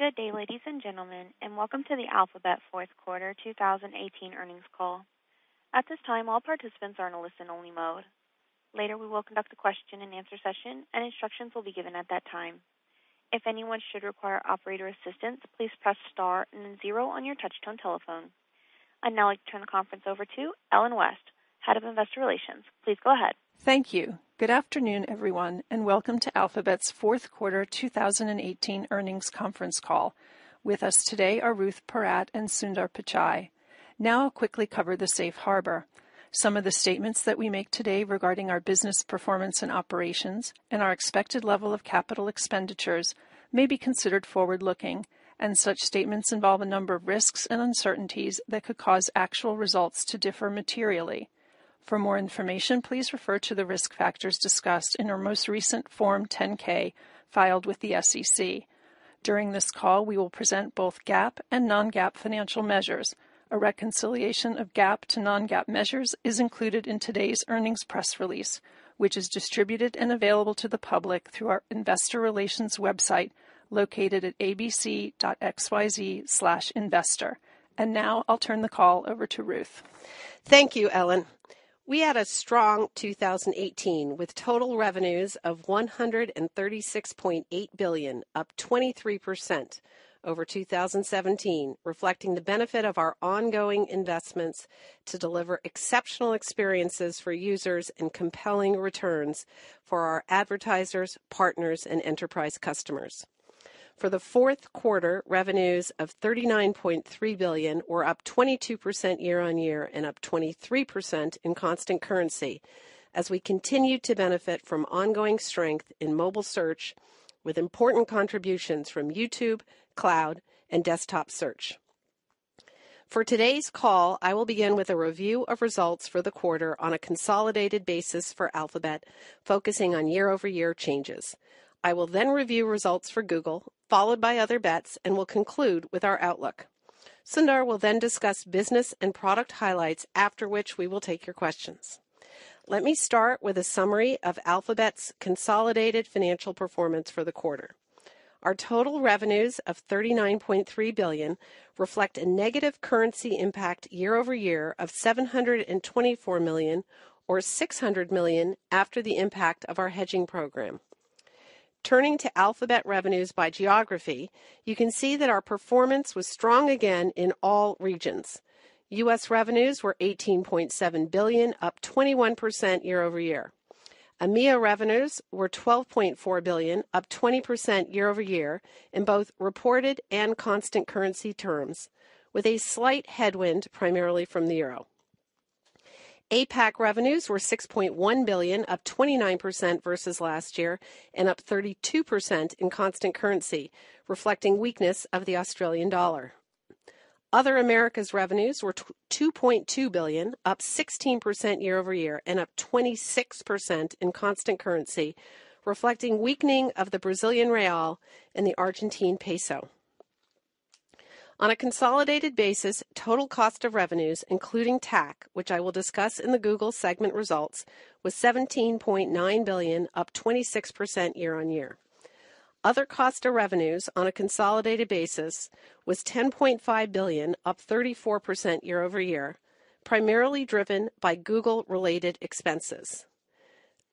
Good day, ladies and gentlemen, and welcome to the Alphabet Fourth Quarter 2018 earnings call. At this time, all participants are in a listen-only mode. Later, we will conduct a question-and-answer session, and instructions will be given at that time. If anyone should require operator assistance, please press star and then zero on your touch-tone telephone. I'd now like to turn the conference over to Ellen West, Head of Investor Relations. Please go ahead. Thank you. Good afternoon, everyone, and welcome to Alphabet's Fourth Quarter 2018 earnings conference call. With us today are Ruth Porat and Sundar Pichai. Now, I'll quickly cover the safe harbor. Some of the statements that we make today regarding our business performance and operations and our expected level of capital expenditures may be considered forward-looking, and such statements involve a number of risks and uncertainties that could cause actual results to differ materially. For more information, please refer to the risk factors discussed in our most recent Form 10-K filed with the SEC. During this call, we will present both GAAP and non-GAAP financial measures. A reconciliation of GAAP to non-GAAP measures is included in today's earnings press release, which is distributed and available to the public through our Investor Relations website located at abc.xyz/investor. And now, I'll turn the call over to Ruth. Thank you, Ellen. We had a strong 2018 with total revenues of $136.8 billion, up 23% over 2017, reflecting the benefit of our ongoing investments to deliver exceptional experiences for users and compelling returns for our advertisers, partners, and enterprise customers. For the fourth quarter, revenues of $39.3 billion were up 22% year-on-year and up 23% in constant currency as we continue to benefit from ongoing strength in mobile search with important contributions from YouTube, cloud, and desktop search. For today's call, I will begin with a review of results for the quarter on a consolidated basis for Alphabet, focusing on year-over-year changes. I will then review results for Google, followed by other bets, and will conclude with our outlook. Sundar will then discuss business and product highlights, after which we will take your questions. Let me start with a summary of Alphabet's consolidated financial performance for the quarter. Our total revenues of $39.3 billion reflect a negative currency impact year-over-year of $724 million, or $600 million after the impact of our hedging program. Turning to Alphabet revenues by geography, you can see that our performance was strong again in all regions. U.S. revenues were $18.7 billion, up 21% year-over-year. EMEA revenues were $12.4 billion, up 20% year-over-year in both reported and constant currency terms, with a slight headwind primarily from the euro. APAC revenues were $6.1 billion, up 29% versus last year and up 32% in constant currency, reflecting weakness of the Australian dollar. Other Americas revenues were $2.2 billion, up 16% year-over-year and up 26% in constant currency, reflecting weakening of the Brazilian real and the Argentine peso. On a consolidated basis, total cost of revenues, including TAC, which I will discuss in the Google segment results, was $17.9 billion, up 26% year-on-year. Other cost of revenues on a consolidated basis was $10.5 billion, up 34% year-over-year, primarily driven by Google-related expenses.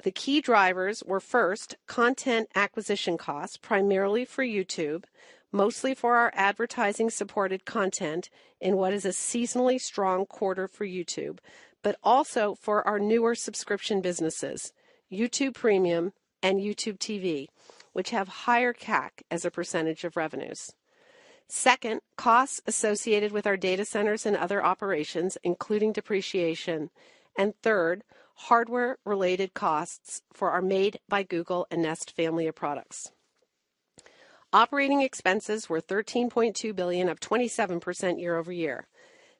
The key drivers were first content acquisition costs, primarily for YouTube, mostly for our advertising-supported content in what is a seasonally strong quarter for YouTube, but also for our newer subscription businesses, YouTube Premium and YouTube TV, which have higher CAC as a percentage of revenues. Second, costs associated with our data centers and other operations, including depreciation, and third, hardware-related costs for our Made by Google and Nest family of products. Operating expenses were $13.2 billion, up 27% year-over-year.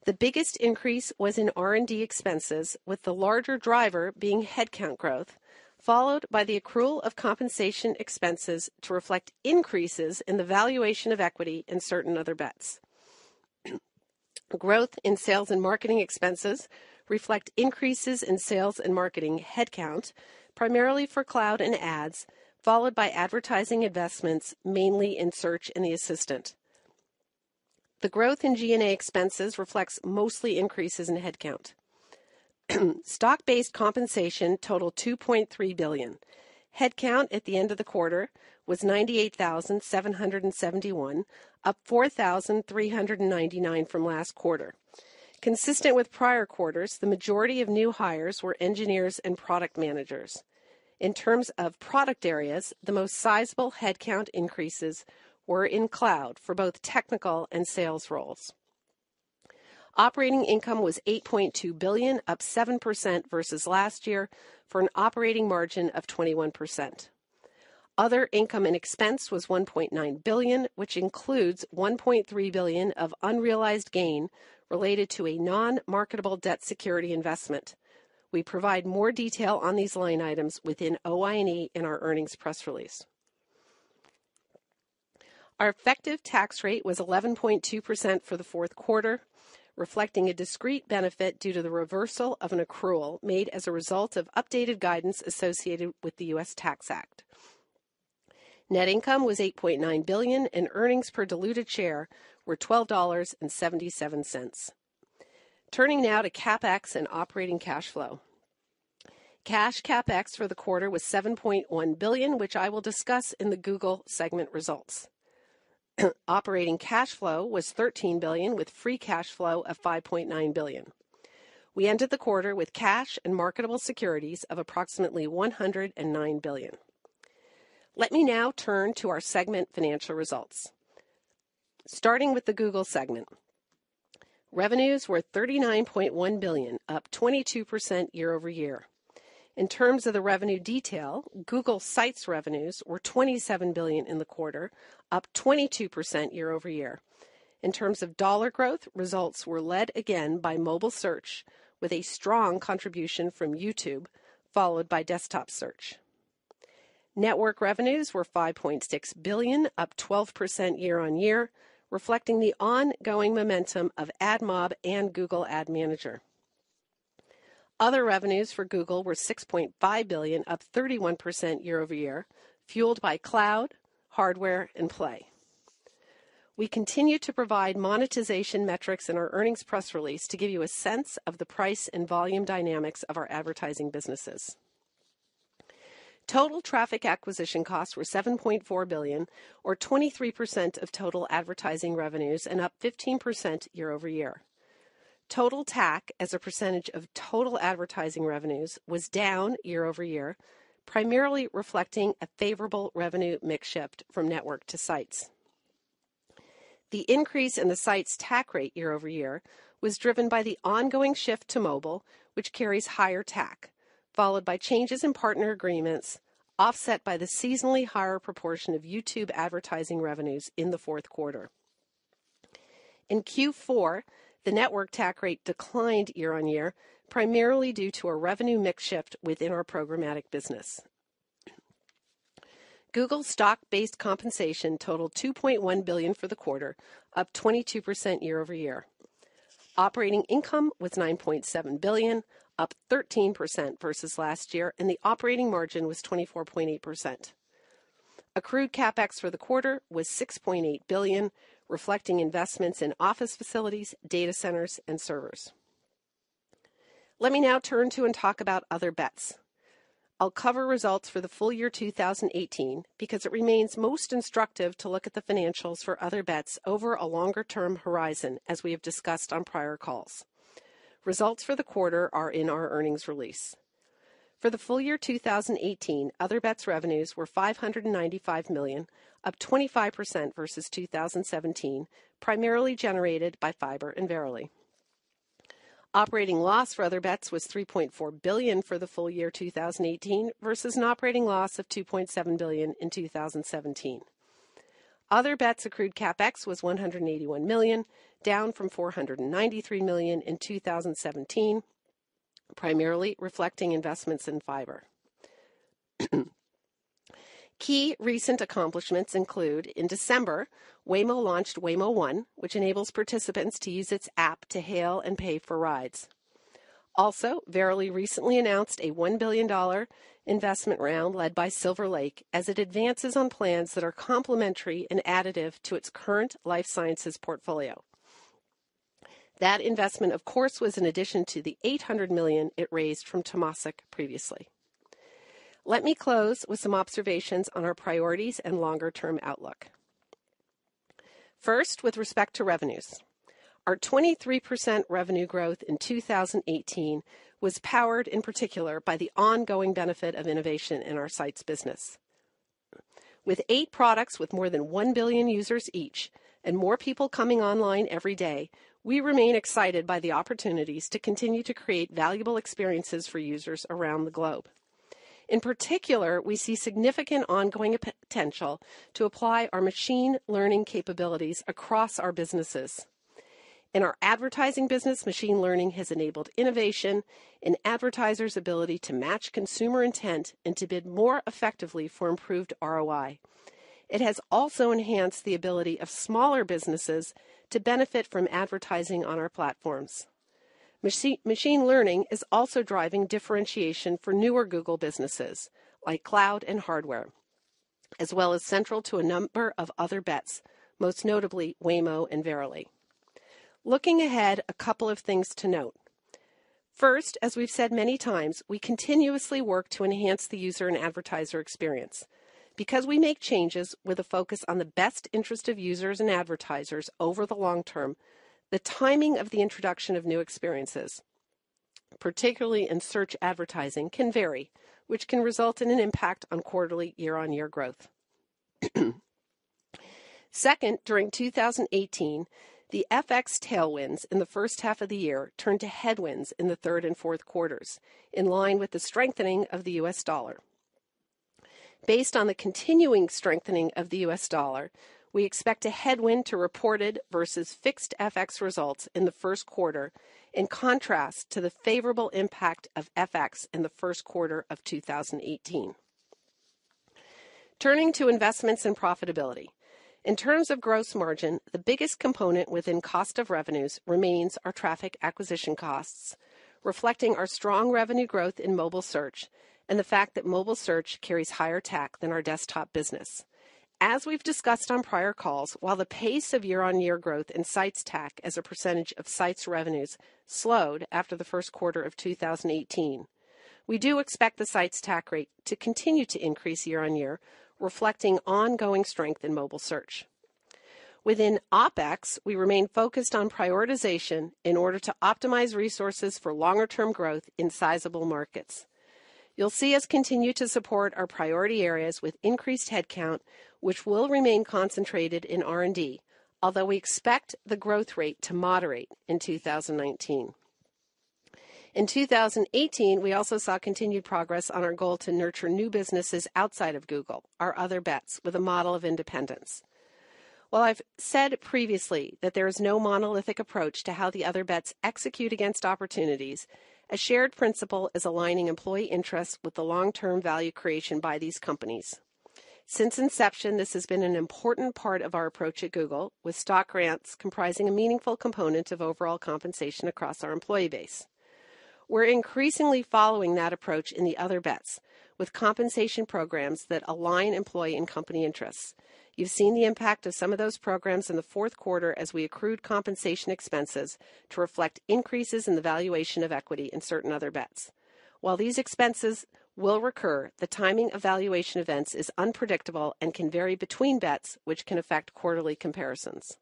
The biggest increase was in R&D expenses, with the larger driver being headcount growth, followed by the accrual of compensation expenses to reflect increases in the valuation of equity and certain other bets. Growth in sales and marketing expenses reflects increases in sales and marketing headcount, primarily for cloud and ads, followed by advertising investments mainly in search and the assistant. The growth in G&A expenses reflects mostly increases in headcount. Stock-based compensation totaled $2.3 billion. Headcount at the end of the quarter was 98,771, up 4,399 from last quarter. Consistent with prior quarters, the majority of new hires were engineers and product managers. In terms of product areas, the most sizable headcount increases were in cloud for both technical and sales roles. Operating income was $8.2 billion, up 7% versus last year for an operating margin of 21%. Other income and expense was $1.9 billion, which includes $1.3 billion of unrealized gain related to a non-marketable debt security investment. We provide more detail on these line items within OI&E in our earnings press release. Our effective tax rate was 11.2% for the fourth quarter, reflecting a discrete benefit due to the reversal of an accrual made as a result of updated guidance associated with the U.S. Tax Act. Net income was $8.9 billion, and earnings per diluted share were $12.77. Turning now to CapEx and operating cash flow. Cash CapEx for the quarter was $7.1 billion, which I will discuss in the Google segment results. Operating cash flow was $13 billion, with free cash flow of $5.9 billion. We ended the quarter with cash and marketable securities of approximately $109 billion. Let me now turn to our segment financial results. Starting with the Google segment, revenues were $39.1 billion, up 22% year-over-year. In terms of the revenue detail, Google sites revenues were $27 billion in the quarter, up 22% year-over-year. In terms of dollar growth, results were led again by mobile search, with a strong contribution from YouTube, followed by desktop search. Network revenues were $5.6 billion, up 12% year-on-year, reflecting the ongoing momentum of AdMob and Google Ad Manager. Other revenues for Google were $6.5 billion, up 31% year-over-year, fueled by cloud, hardware, and play. We continue to provide monetization metrics in our earnings press release to give you a sense of the price and volume dynamics of our advertising businesses. Total traffic acquisition costs were $7.4 billion, or 23% of total advertising revenues, and up 15% year-over-year. Total TAC, as a percentage of total advertising revenues, was down year-over-year, primarily reflecting a favorable revenue mix shift from network to sites. The increase in the sites' TAC rate year-over-year was driven by the ongoing shift to mobile, which carries higher TAC, followed by changes in partner agreements offset by the seasonally higher proportion of YouTube advertising revenues in the fourth quarter. In Q4, the network TAC rate declined year-on-year, primarily due to a revenue mix shift within our programmatic business. Google stock-based compensation totaled $2.1 billion for the quarter, up 22% year-over-year. Operating income was $9.7 billion, up 13% versus last year, and the operating margin was 24.8%. Accrued CapEx for the quarter was $6.8 billion, reflecting investments in office facilities, data centers, and servers. Let me now turn to and talk about other bets. I'll cover results for the full year 2018 because it remains most instructive to look at the financials for other bets over a longer-term horizon, as we have discussed on prior calls. Results for the quarter are in our earnings release. For the full year 2018, Other Bets revenues were $595 million, up 25% versus 2017, primarily generated by Fiber and Verily. Operating loss for Other Bets was $3.4 billion for the full year 2018 versus an operating loss of $2.7 billion in 2017. Other Bets accrued CapEx was $181 million, down from $493 million in 2017, primarily reflecting investments in Fiber. Key recent accomplishments include in December, Waymo launched Waymo One, which enables participants to use its app to hail and pay for rides. Also, Verily recently announced a $1 billion investment round led by Silver Lake as it advances on plans that are complementary and additive to its current life sciences portfolio. That investment, of course, was in addition to the $800 million it raised from Temasek previously. Let me close with some observations on our priorities and longer-term outlook. First, with respect to revenues, our 23% revenue growth in 2018 was powered, in particular, by the ongoing benefit of innovation in our Search business. With eight products with more than one billion users each and more people coming online every day, we remain excited by the opportunities to continue to create valuable experiences for users around the globe. In particular, we see significant ongoing potential to apply our machine learning capabilities across our businesses. In our advertising business, machine learning has enabled innovation in advertisers' ability to match consumer intent and to bid more effectively for improved ROI. It has also enhanced the ability of smaller businesses to benefit from advertising on our platforms. Machine learning is also driving differentiation for newer Google businesses like cloud and hardware, as well as central to a number of other bets, most notably Waymo and Verily. Looking ahead, a couple of things to note. First, as we've said many times, we continuously work to enhance the user and advertiser experience. Because we make changes with a focus on the best interest of users and advertisers over the long term, the timing of the introduction of new experiences, particularly in search advertising, can vary, which can result in an impact on quarterly year-on-year growth. Second, during 2018, the FX tailwinds in the first half of the year turned to headwinds in the third and fourth quarters, in line with the strengthening of the U.S. dollar. Based on the continuing strengthening of the U.S. dollar, we expect a headwind to reported versus fixed FX results in the first quarter, in contrast to the favorable impact of FX in the first quarter of 2018. Turning to investments and profitability. In terms of gross margin, the biggest component within cost of revenues remains our traffic acquisition costs, reflecting our strong revenue growth in mobile search and the fact that mobile search carries higher TAC than our desktop business. As we've discussed on prior calls, while the pace of year-on-year growth in sites' TAC as a percentage of sites' revenues slowed after the first quarter of 2018, we do expect the sites' TAC rate to continue to increase year-on-year, reflecting ongoing strength in mobile search. Within OpEx, we remain focused on prioritization in order to optimize resources for longer-term growth in sizable markets. You'll see us continue to support our priority areas with increased headcount, which will remain concentrated in R&D, although we expect the growth rate to moderate in 2019. In 2018, we also saw continued progress on our goal to nurture new businesses outside of Google, our Other Bets, with a model of independence. While I've said previously that there is no monolithic approach to how the Other Bets execute against opportunities, a shared principle is aligning employee interests with the long-term value creation by these companies. Since inception, this has been an important part of our approach at Google, with stock grants comprising a meaningful component of overall compensation across our employee base. We're increasingly following that approach in the Other Bets, with compensation programs that align employee and company interests. You've seen the impact of some of those programs in the fourth quarter as we accrued compensation expenses to reflect increases in the valuation of equity in certain Other Bets. While these expenses will recur, the timing of valuation events is unpredictable and can vary between bets, which can affect quarterly comparisons.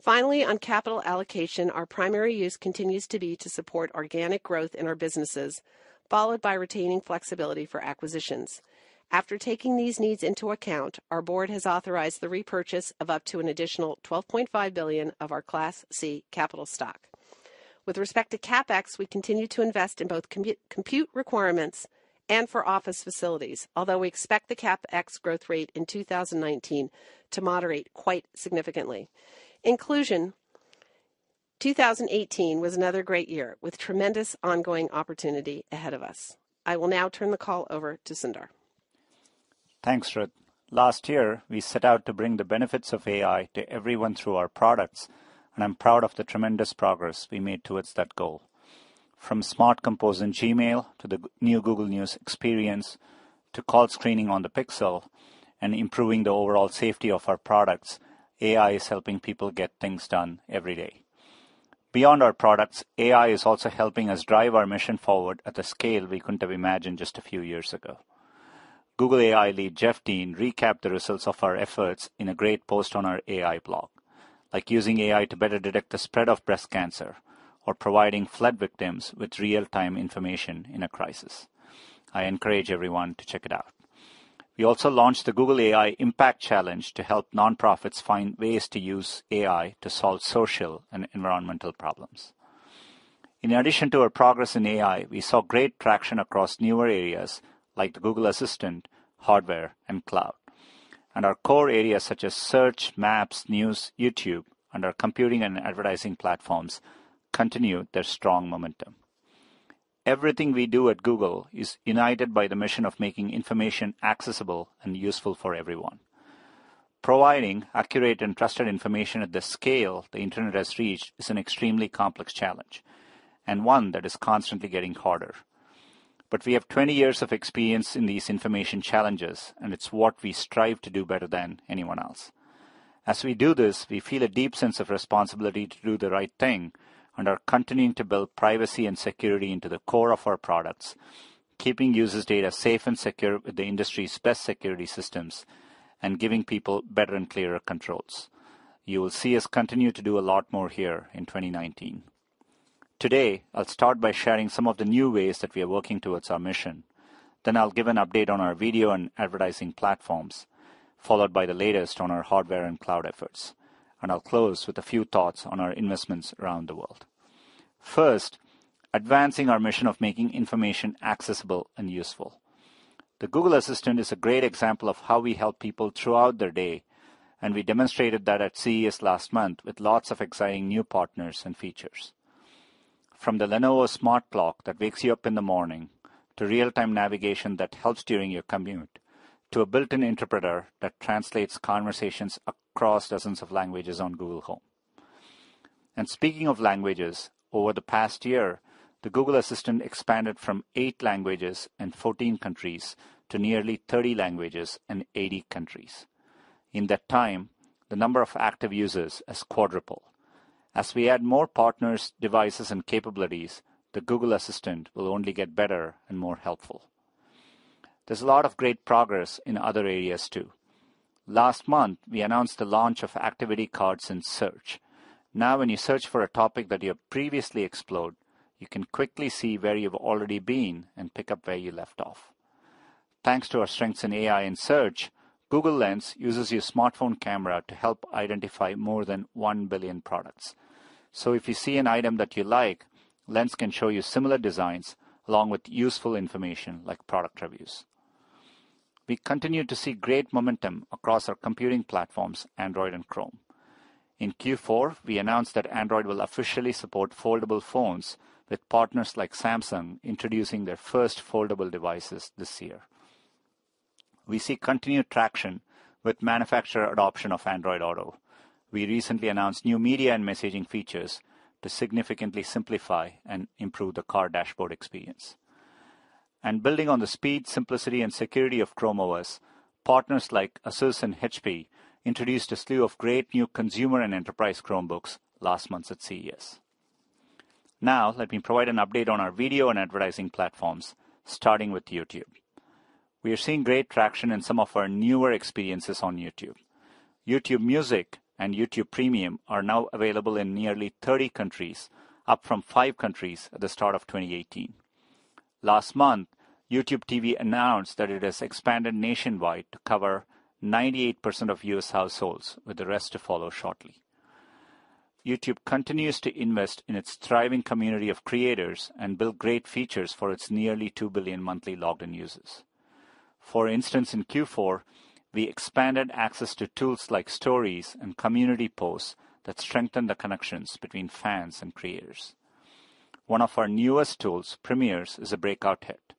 Finally, on capital allocation, our primary use continues to be to support organic growth in our businesses, followed by retaining flexibility for acquisitions. After taking these needs into account, our board has authorized the repurchase of up to an additional $12.5 billion of our Class C capital stock. With respect to CapEx, we continue to invest in both compute requirements and for office facilities, although we expect the CapEx growth rate in 2019 to moderate quite significantly. In conclusion, 2018 was another great year with tremendous ongoing opportunity ahead of us. I will now turn the call over to Sundar. Thanks, Ruth. Last year, we set out to bring the benefits of AI to everyone through our products, and I'm proud of the tremendous progress we made towards that goal. From Smart Compose in Gmail to the new Google News experience to call screening on the Pixel and improving the overall safety of our products, AI is helping people get things done every day. Beyond our products, AI is also helping us drive our mission forward at a scale we couldn't have imagined just a few years ago. Google AI lead Jeff Dean recapped the results of our efforts in a great post on our AI blog, like using AI to better detect the spread of breast cancer or providing flood victims with real-time information in a crisis. I encourage everyone to check it out. We also launched the Google AI Impact Challenge to help nonprofits find ways to use AI to solve social and environmental problems. In addition to our progress in AI, we saw great traction across newer areas like the Google Assistant, hardware, and cloud, and our core areas such as search, maps, news, YouTube, and our computing and advertising platforms continue their strong momentum. Everything we do at Google is united by the mission of making information accessible and useful for everyone. Providing accurate and trusted information at the scale the internet has reached is an extremely complex challenge and one that is constantly getting harder, but we have 20 years of experience in these information challenges, and it's what we strive to do better than anyone else. As we do this, we feel a deep sense of responsibility to do the right thing and are continuing to build privacy and security into the core of our products, keeping users' data safe and secure with the industry's best security systems and giving people better and clearer controls. You will see us continue to do a lot more here in 2019. Today, I'll start by sharing some of the new ways that we are working towards our mission. Then I'll give an update on our video and advertising platforms, followed by the latest on our hardware and cloud efforts, and I'll close with a few thoughts on our investments around the world. First, advancing our mission of making information accessible and useful. The Google Assistant is a great example of how we help people throughout their day, and we demonstrated that at CES last month with lots of exciting new partners and features. From the Lenovo Smart Clock that wakes you up in the morning, to real-time navigation that helps during your commute, to a built-in interpreter that translates conversations across dozens of languages on Google Home, and speaking of languages, over the past year, the Google Assistant expanded from eight languages and 14 countries to nearly 30 languages and 80 countries. In that time, the number of active users has quadrupled. As we add more partners, devices, and capabilities, the Google Assistant will only get better and more helpful. There's a lot of great progress in other areas too. Last month, we announced the launch of activity cards in Search. Now, when you search for a topic that you have previously explored, you can quickly see where you've already been and pick up where you left off. Thanks to our strengths in AI and Search, Google Lens uses your smartphone camera to help identify more than one billion products. So if you see an item that you like, Lens can show you similar designs along with useful information like product reviews. We continue to see great momentum across our computing platforms, Android and Chrome. In Q4, we announced that Android will officially support foldable phones, with partners like Samsung introducing their first foldable devices this year. We see continued traction with manufacturer adoption of Android Auto. We recently announced new media and messaging features to significantly simplify and improve the car dashboard experience. Building on the speed, simplicity, and security of Chrome OS, partners like ASUS and HP introduced a slew of great new consumer and enterprise Chromebooks last month at CES. Now, let me provide an update on our video and advertising platforms, starting with YouTube. We are seeing great traction in some of our newer experiences on YouTube. YouTube Music and YouTube Premium are now available in nearly 30 countries, up from five countries at the start of 2018. Last month, YouTube TV announced that it has expanded nationwide to cover 98% of U.S. households, with the rest to follow shortly. YouTube continues to invest in its thriving community of creators and build great features for its nearly two billion monthly logged-in users. For instance, in Q4, we expanded access to tools like Stories and Community Posts that strengthen the connections between fans and creators. One of our newest tools, Premieres, is a breakout hit.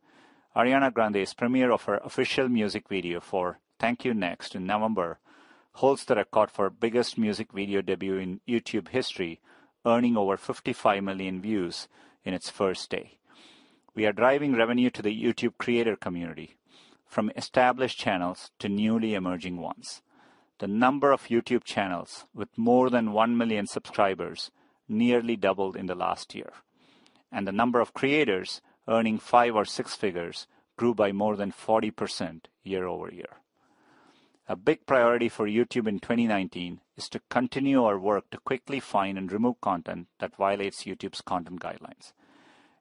Ariana Grande's premiere of her official music video for "thank u, next" in November holds the record for biggest music video debut in YouTube history, earning over 55 million views in its first day. We are driving revenue to the YouTube creator community, from established channels to newly emerging ones. The number of YouTube channels with more than 1 million subscribers nearly doubled in the last year. And the number of creators earning five or six figures grew by more than 40% year over year. A big priority for YouTube in 2019 is to continue our work to quickly find and remove content that violates YouTube's content guidelines.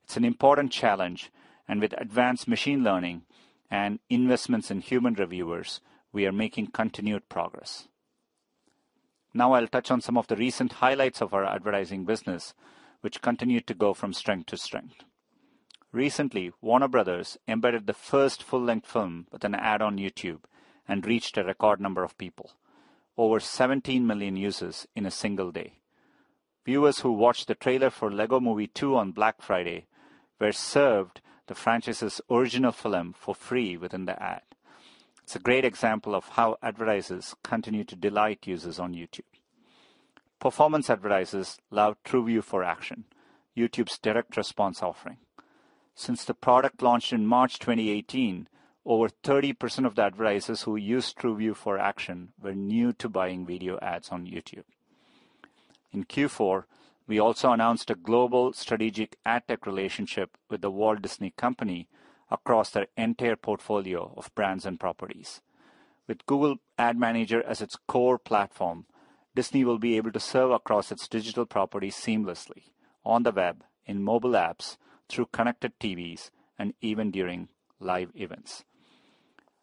It's an important challenge, and with advanced machine learning and investments in human reviewers, we are making continued progress. Now, I'll touch on some of the recent highlights of our advertising business, which continued to go from strength to strength. Recently, Warner Bros. embedded the first full-length film with an ad on YouTube and reached a record number of people, over 17 million users in a single day. Viewers who watched the trailer for Lego Movie 2 on Black Friday were served the franchise's original film for free within the ad. It's a great example of how advertisers continue to delight users on YouTube. Performance advertisers love TrueView for Action, YouTube's direct response offering. Since the product launched in March 2018, over 30% of the advertisers who used TrueView for Action were new to buying video ads on YouTube. In Q4, we also announced a global strategic ad tech relationship with the Walt Disney Company across their entire portfolio of brands and properties. With Google Ad Manager as its core platform, Disney will be able to serve across its digital properties seamlessly on the web, in mobile apps, through connected TVs, and even during live events.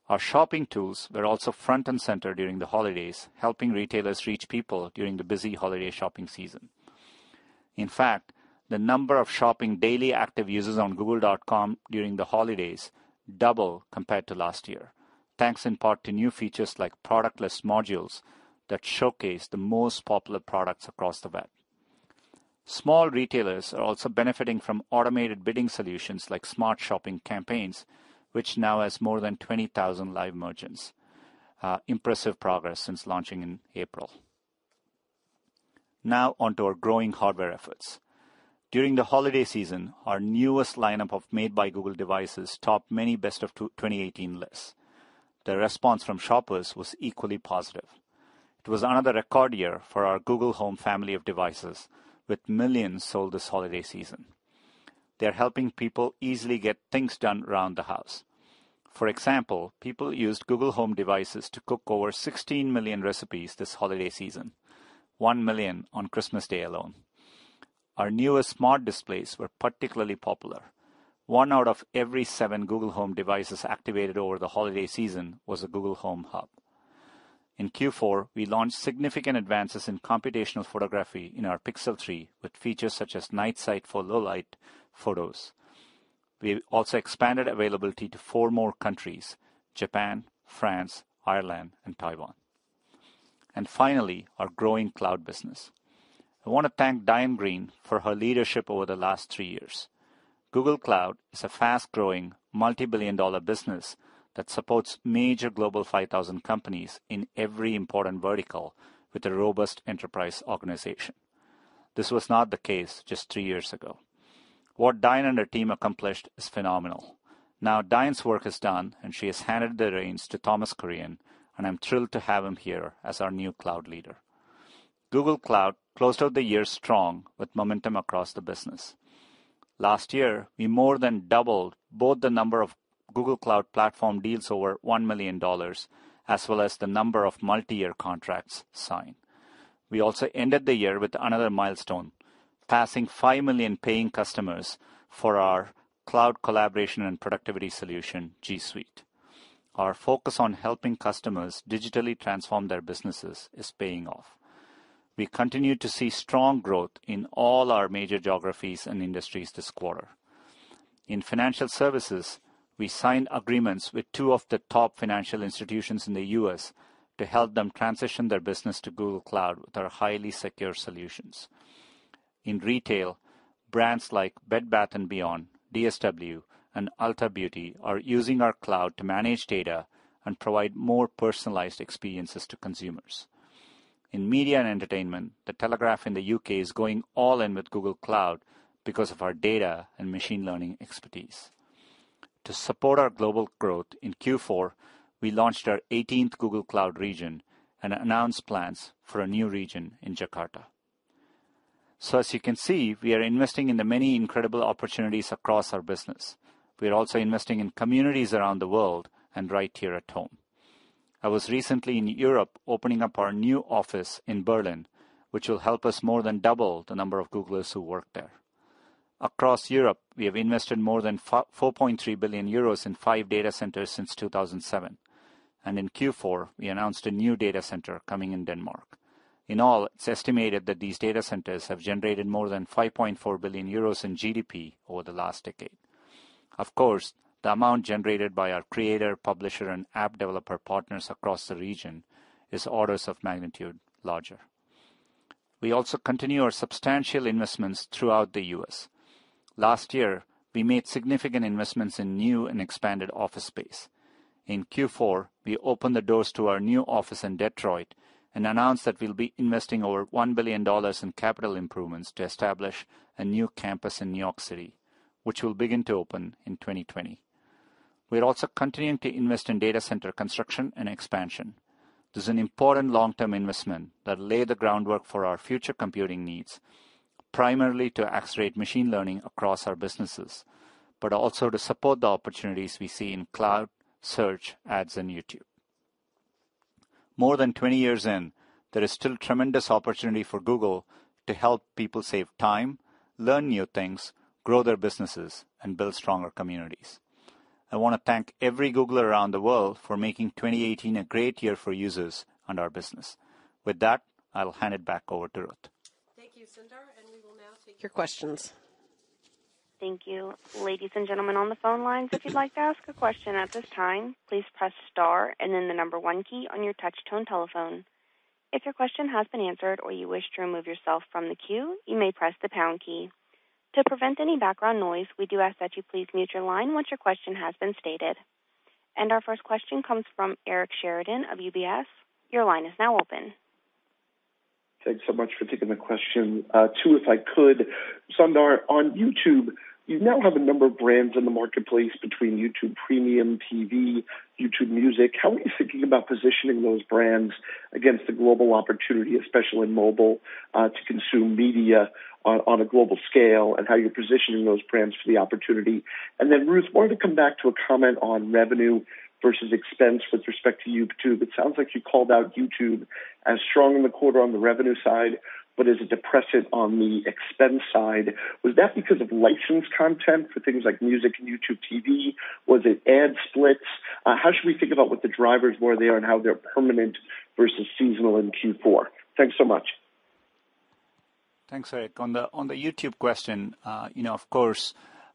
Our shopping tools were also front and center during the holidays, helping retailers reach people during the busy holiday shopping season. In fact, the number of shopping daily active users on Google.com during the holidays doubled compared to last year, thanks in part to new features like product list modules that showcase the most popular products across the web. Small retailers are also benefiting from automated bidding solutions like Smart Shopping campaigns, which now has more than 20,000 live merchants. Impressive progress since launching in April. Now, onto our growing hardware efforts. During the holiday season, our newest lineup of Made by Google devices topped many Best of 2018 lists. The response from shoppers was equally positive. It was another record year for our Google Home family of devices, with millions sold this holiday season. They're helping people easily get things done around the house. For example, people used Google Home devices to cook over 16 million recipes this holiday season, one million on Christmas Day alone. Our newest smart displays were particularly popular. One out of every seven Google Home devices activated over the holiday season was a Google Home Hub. In Q4, we launched significant advances in computational photography in our Pixel 3 with features such as Night Sight for low-light photos. We also expanded availability to four more countries: Japan, France, Ireland, and Taiwan. And finally, our growing cloud business, I want to thank Diane Greene for her leadership over the last three years. Google Cloud is a fast-growing multi-billion-dollar business that supports major Global 5000 companies in every important vertical with a robust enterprise organization. This was not the case just three years ago. What Diane and her team accomplished is phenomenal. Now, Diane's work is done, and she has handed the reins to Thomas Kurian, and I'm thrilled to have him here as our new cloud leader. Google Cloud closed out the year strong with momentum across the business. Last year, we more than doubled both the number of Google Cloud Platform deals over $1 million as well as the number of multi-year contracts signed. We also ended the year with another milestone, passing 5,000,000 paying customers for our cloud collaboration and productivity solution, G Suite. Our focus on helping customers digitally transform their businesses is paying off. We continue to see strong growth in all our major geographies and industries this quarter. In financial services, we signed agreements with two of the top financial institutions in the U.S. to help them transition their business to Google Cloud with our highly secure solutions. In retail, brands like Bed Bath & Beyond, DSW, and Ulta Beauty are using our cloud to manage data and provide more personalized experiences to consumers. In media and entertainment, The Telegraph in the U.K. is going all in with Google Cloud because of our data and machine learning expertise. To support our global growth, in Q4, we launched our 18th Google Cloud region and announced plans for a new region in Jakarta. So, as you can see, we are investing in the many incredible opportunities across our business. We are also investing in communities around the world and right here at home. I was recently in Europe opening up our new office in Berlin, which will help us more than double the number of Googlers who work there. Across Europe, we have invested more than 4.3 billion euros in five data centers since 2007. And in Q4, we announced a new data center coming in Denmark. In all, it's estimated that these data centers have generated more than 5.4 billion euros in GDP over the last decade. Of course, the amount generated by our creator, publisher, and app developer partners across the region is orders of magnitude larger. We also continue our substantial investments throughout the U.S. Last year, we made significant investments in new and expanded office space. In Q4, we opened the doors to our new office in Detroit and announced that we'll be investing over $1 billion in capital improvements to establish a new campus in New York City, which will begin to open in 2020. We are also continuing to invest in data center construction and expansion. This is an important long-term investment that lays the groundwork for our future computing needs, primarily to accelerate machine learning across our businesses, but also to support the opportunities we see in Cloud, Search, Ads, and YouTube. More than 20 years in, there is still tremendous opportunity for Google to help people save time, learn new things, grow their businesses, and build stronger communities. I want to thank every Googler around the world for making 2018 a great year for users and our business. With that, I'll hand it back over to Ruth. Thank you, Sundar, and we will now take your questions. Thank you. Ladies and gentlemen on the phone lines, if you'd like to ask a question at this time, please press star and then the number one key on your touch-tone telephone. If your question has been answered or you wish to remove yourself from the queue, you may press the pound key. To prevent any background noise, we do ask that you please mute your line once your question has been stated, and our first question comes from Eric Sheridan of UBS. Your line is now open. Thanks so much for taking the question. To, if I could, Sundar, on YouTube, you now have a number of brands in the marketplace between YouTube Premium, YouTube TV, YouTube Music. How are you thinking about positioning those brands against the global opportunity, especially in mobile, to consume media on a global scale, and how you're positioning those brands for the opportunity? And then, Ruth, I wanted to come back to a comment on revenue versus expense with respect to YouTube. It sounds like you called out YouTube as strong in the quarter on the revenue side, but as a depressant on the expense side. Was that because of licensed content for things like music and YouTube TV? Was it ad splits? How should we think about what the drivers were there and how they're permanent versus seasonal in Q4? Thanks so much. Thanks, Eric. On the YouTube question, you know, of course,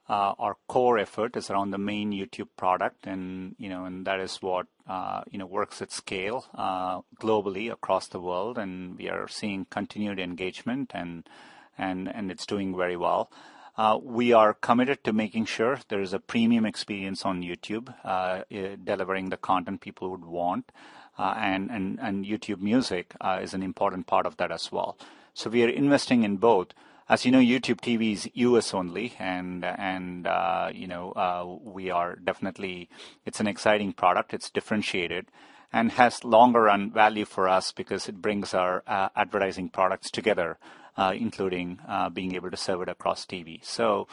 our core effort is around the main YouTube product, and that is what works at scale globally across the world, and we are seeing continued engagement, and it's doing very well. We are committed to making sure there is a premium experience on YouTube, delivering the content people would want, and YouTube Music is an important part of that as well, so we are investing in both. As you know, YouTube TV is U.S. only, and we are definitely. It's an exciting product. It's differentiated and has longer-run value for us because it brings our advertising products together, including being able to serve it across TV, so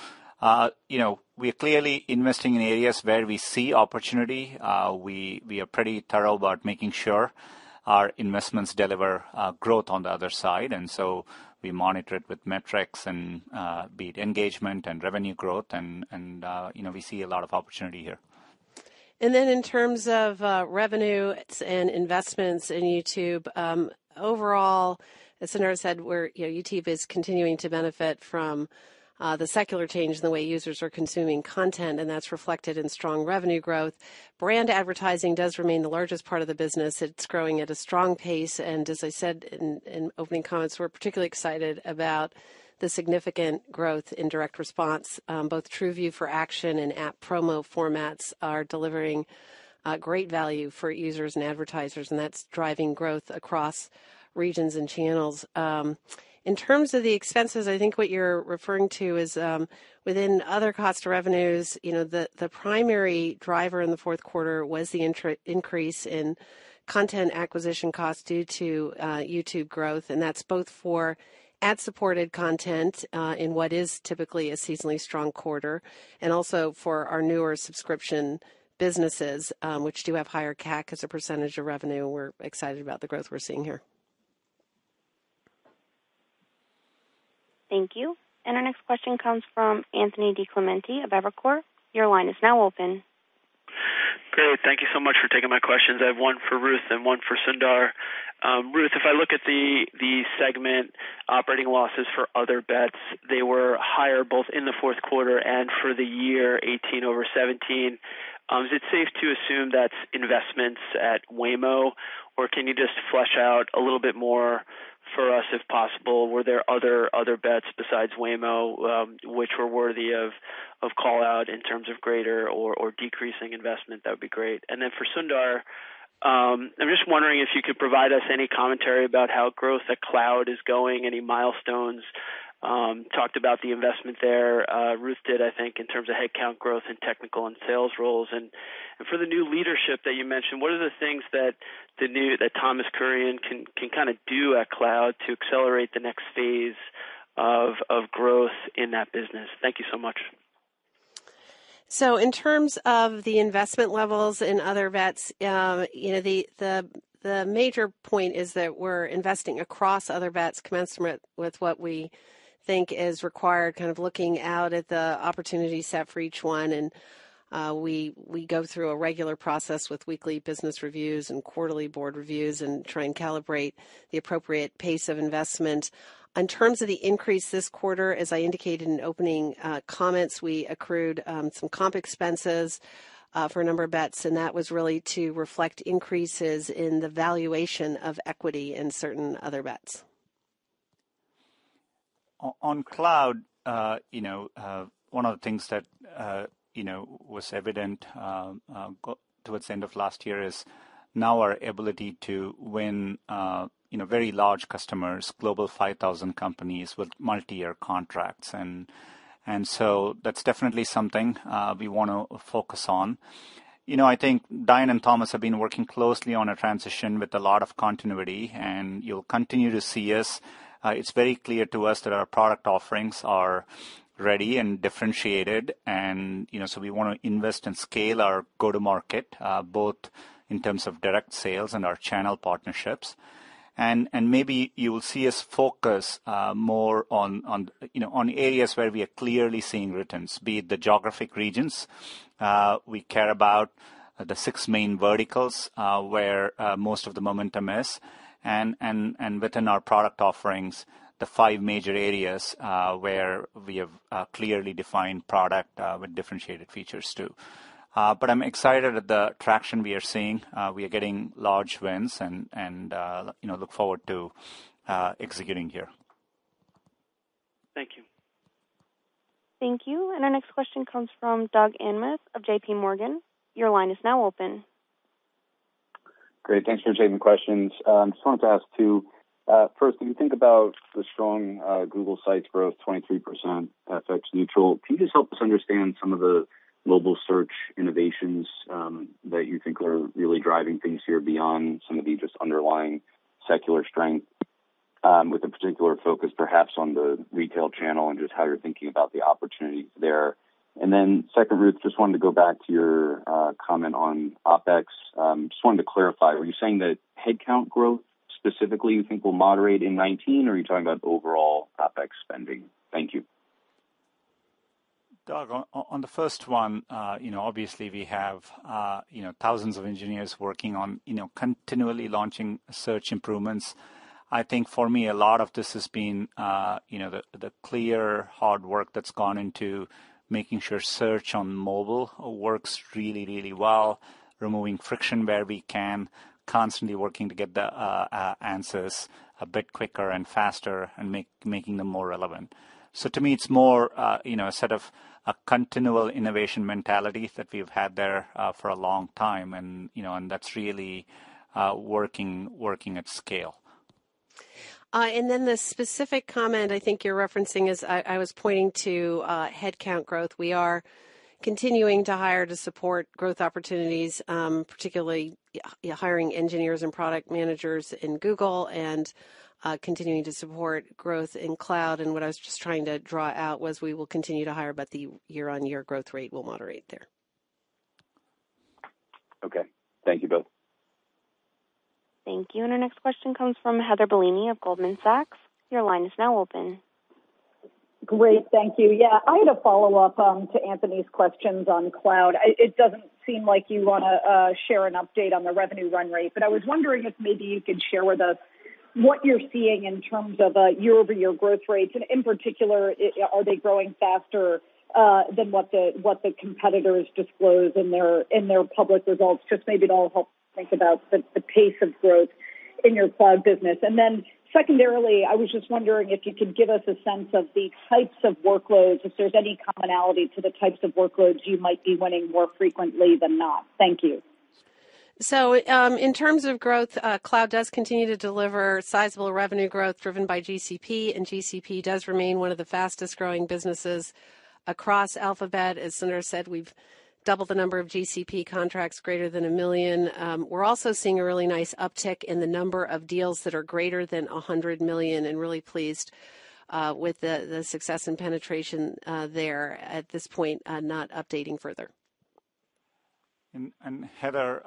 you know, we are clearly investing in areas where we see opportunity. We are pretty thorough about making sure our investments deliver growth on the other side. We monitor it with metrics and beat engagement and revenue growth. We see a lot of opportunity here. And then, in terms of revenues and investments in YouTube, overall, as Sundar said, YouTube is continuing to benefit from the secular change in the way users are consuming content, and that's reflected in strong revenue growth. Brand advertising does remain the largest part of the business. It's growing at a strong pace. And as I said in opening comments, we're particularly excited about the significant growth in direct response. Both TrueView for Action and App Promo formats are delivering great value for users and advertisers, and that's driving growth across regions and channels. In terms of the expenses, I think what you're referring to is, within other costs to revenues, the primary driver in the fourth quarter was the increase in content acquisition costs due to YouTube growth. That's both for ad-supported content in what is typically a seasonally strong quarter, and also for our newer subscription businesses, which do have higher CAC as a percentage of revenue. We're excited about the growth we're seeing here. Thank you. And our next question comes from Anthony DiClemente of Evercore. Your line is now open. Great. Thank you so much for taking my questions. I have one for Ruth and one for Sundar. Ruth, if I look at the segment, operating losses for Other Bets, they were higher both in the fourth quarter and for the year 2018 over 2017. Is it safe to assume that's investments at Waymo, or can you just flesh out a little bit more for us, if possible? Were there other bets besides Waymo which were worthy of callout in terms of greater or decreasing investment? That would be great. And then for Sundar, I'm just wondering if you could provide us any commentary about how growth at Cloud is going, any milestones. Talked about the investment there. Ruth did, I think, in terms of headcount growth and technical and sales roles. For the new leadership that you mentioned, what are the things that Thomas Kurian can kind of do at Cloud to accelerate the next phase of growth in that business? Thank you so much. In terms of the investment levels in other bets, the major point is that we're investing across other bets, commencing with what we think is required, kind of looking out at the opportunity set for each one. We go through a regular process with weekly business reviews and quarterly board reviews and try and calibrate the appropriate pace of investment. In terms of the increase this quarter, as I indicated in opening comments, we accrued some comp expenses for a number of bets, and that was really to reflect increases in the valuation of equity in certain other bets. On Cloud, one of the things that was evident towards the end of last year is now our ability to win very large customers, global 5,000 companies with multi-year contracts. And so that's definitely something we want to focus on. You know, I think Diane and Thomas have been working closely on a transition with a lot of continuity, and you'll continue to see us. It's very clear to us that our product offerings are ready and differentiated and so we want to invest and scale our go-to-market both in terms of direct sales and our channel partnerships and maybe you will see us focus more on areas where we are clearly seeing returns, be it the geographic regions. We care about the six main verticals where most of the momentum is. Within our product offerings, the five major areas where we have clearly defined product with differentiated features too. I'm excited at the traction we are seeing. We are getting large wins and look forward to executing here. Thank you. Thank you. And our next question comes from Doug Anmuth of JPMorgan. Your line is now open. Great. Thanks for taking the questions. I just wanted to ask, too, first, if you think about the strong Google sites growth, 23%, FX neutral, can you just help us understand some of the mobile search innovations that you think are really driving things here beyond some of the just underlying secular strength, with a particular focus perhaps on the retail channel and just how you're thinking about the opportunities there? Then, second, Ruth, just wanted to go back to your comment on OpEx. Just wanted to clarify, were you saying that headcount growth specifically you think will moderate in 2019, or are you talking about overall OpEx spending? Thank you. Doug, on the first one, obviously, we have thousands of engineers working on continually launching search improvements. I think, for me, a lot of this has been the clear, hard work that's gone into making sure search on mobile works really, really well, removing friction where we can, constantly working to get the answers a bit quicker and faster and making them more relevant. So, to me, it's more a set of a continual innovation mentality that we've had there for a long time, and that's really working at scale. And then the specific comment I think you're referencing is I was pointing to headcount growth. We are continuing to hire to support growth opportunities, particularly hiring engineers and product managers in Google and continuing to support growth in Cloud. And what I was just trying to draw out was we will continue to hire, but the year-over-year growth rate will moderate there. Okay. Thank you both. Thank you. And our next question comes from Heather Bellini of Goldman Sachs. Your line is now open. Great. Thank you. Yeah, I had a follow-up to Anthony's questions on Cloud. It doesn't seem like you want to share an update on the revenue run rate, but I was wondering if maybe you could share with us what you're seeing in terms of year-over-year growth rates, and in particular, are they growing faster than what the competitors disclose in their public results? Just maybe it'll help us think about the pace of growth in your Cloud business, and then, secondarily, I was just wondering if you could give us a sense of the types of workloads, if there's any commonality to the types of workloads you might be winning more frequently than not. Thank you. In terms of growth, Cloud does continue to deliver sizable revenue growth driven by GCP, and GCP does remain one of the fastest-growing businesses across Alphabet. As Sundar said, we've doubled the number of GCP contracts greater than $1 million. We're also seeing a really nice uptick in the number of deals that are greater than $100 million and really pleased with the success and penetration there. At this point, not updating further. Heather,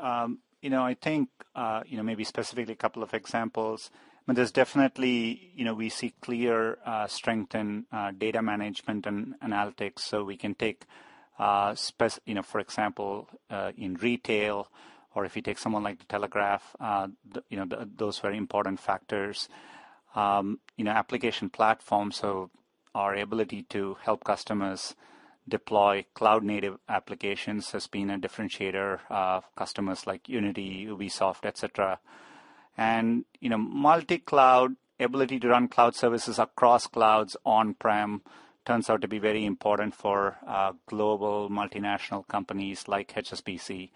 you know, I think maybe specifically a couple of examples. I mean, there's definitely we see clear strength in data management and analytics. So we can take, for example, in retail, or if you take someone like The Telegraph, those very important factors. Application platforms, so our ability to help customers deploy cloud-native applications has been a differentiator of customers like Unity, Ubisoft, etc and multi-cloud ability to run cloud services across clouds on-prem turns out to be very important for global multinational companies like HSBC.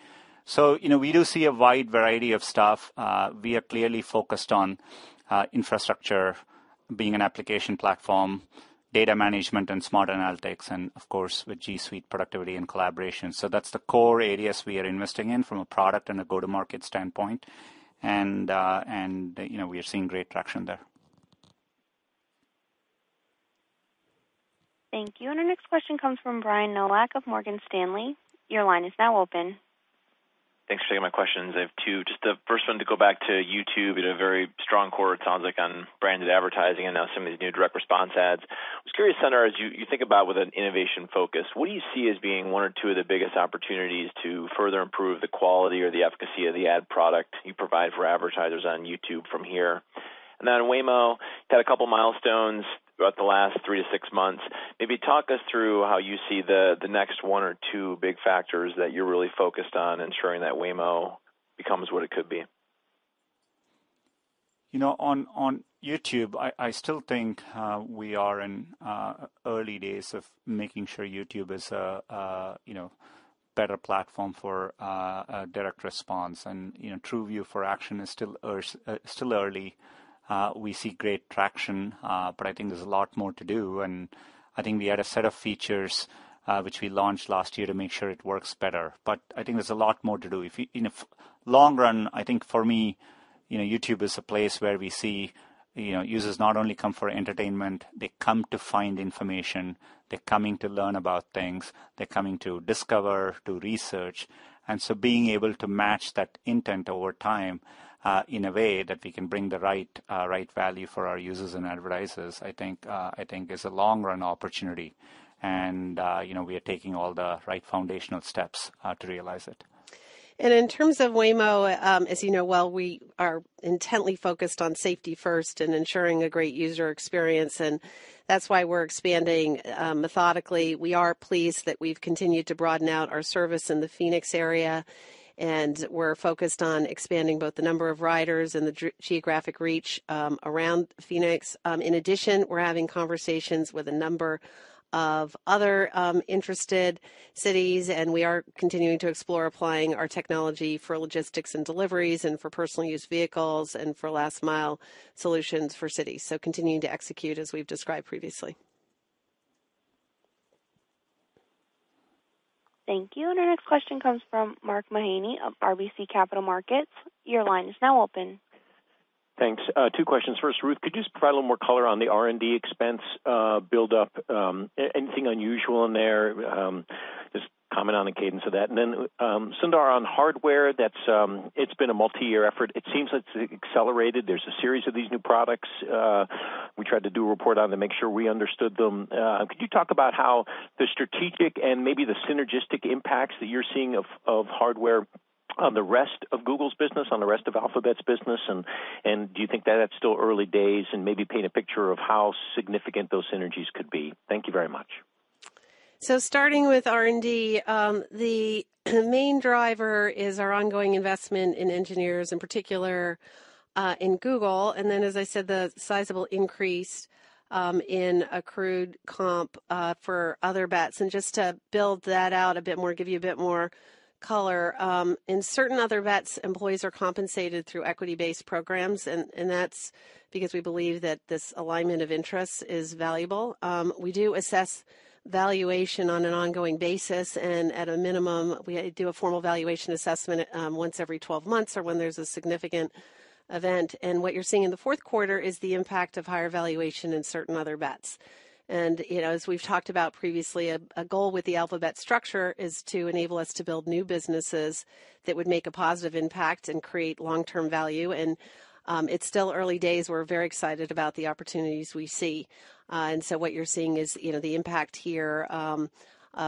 So, you know, we do see a wide variety of stuff. We are clearly focused on infrastructure being an application platform, data management, and smart analytics, and, of course, with G Suite productivity and collaboration. So that's the core areas we are investing in from a product and a go-to-market standpoint. And we are seeing great traction there. Thank you. And our next question comes from Brian Nowak of Morgan Stanley. Your line is now open. Thanks for taking my questions. I have two. Just the first one, to go back to YouTube, you had a very strong quarter, it sounds like, on branded advertising and now some of these new direct response ads. I was curious, Sundar, as you think about with an innovation focus, what do you see as being one or two of the biggest opportunities to further improve the quality or the efficacy of the ad product you provide for advertisers on YouTube from here? And then on Waymo, you've had a couple of milestones throughout the last three to six months. Maybe talk us through how you see the next one or two big factors that you're really focused on ensuring that Waymo becomes what it could be? You know, on YouTube, I still think we are in early days of making sure YouTube is a better platform for direct response, and TrueView for Action is still early. We see great traction, but I think there's a lot more to do, and I think we had a set of features which we launched last year to make sure it works better, but I think there's a lot more to do. In the long run, I think, for me, YouTube is a place where we see users not only come for entertainment, they come to find information, they're coming to learn about things, they're coming to discover, to research, and so being able to match that intent over time in a way that we can bring the right value for our users and advertisers, I think, is a long-run opportunity. We are taking all the right foundational steps to realize it. And in terms of Waymo, as you know well, we are intently focused on safety first and ensuring a great user experience. And that's why we're expanding methodically. We are pleased that we've continued to broaden out our service in the Phoenix area. And we're focused on expanding both the number of riders and the geographic reach around Phoenix. In addition, we're having conversations with a number of other interested cities. And we are continuing to explore applying our technology for logistics and deliveries and for personal-use vehicles and for last-mile solutions for cities. So, continuing to execute, as we've described previously. Thank you. And our next question comes from Mark Mahaney of RBC Capital Markets. Your line is now open. Thanks. Two questions. First, Ruth, could you just provide a little more color on the R&D expense build-up? Anything unusual in there? Just comment on the cadence of that. And then, Sundar, on hardware, it's been a multi-year effort. It seems like it's accelerated. There's a series of these new products. We tried to do a report on it to make sure we understood them. Could you talk about how the strategic and maybe the synergistic impacts that you're seeing of hardware on the rest of Google's business, on the rest of Alphabet's business? And do you think that that's still early days and maybe paint a picture of how significant those synergies could be? Thank you very much. Starting with R&D, the main driver is our ongoing investment in engineers, in particular in Google. Then, as I said, the sizable increase in accrued comp for other bets. Just to build that out a bit more, give you a bit more color, in certain other bets, employees are compensated through equity-based programs. That's because we believe that this alignment of interests is valuable. We do assess valuation on an ongoing basis. At a minimum, we do a formal valuation assessment once every 12 months or when there's a significant event. What you're seeing in the fourth quarter is the impact of higher valuation in certain other bets. As we've talked about previously, a goal with the Alphabet structure is to enable us to build new businesses that would make a positive impact and create long-term value. It's still early days. We're very excited about the opportunities we see. And so what you're seeing is the impact here of